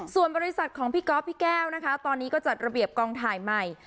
ส่วนบริษัทของพี่ก๊อฟพี่แก้วนะคะตอนนี้ก็จัดระเบียบกองถ่ายใหม่